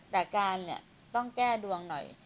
แต่การเนี่ยต้องแก้ดวงหน่อย